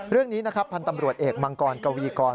เรื่องนี้นะครับพันธ์ตำรวจเอกมังกรกวีกร